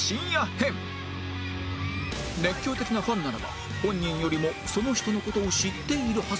熱狂的なファンならば本人よりもその人の事を知っているはず